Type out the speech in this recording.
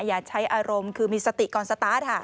อย่าใช้อารมณ์คือมีสติก่อนสตาร์ท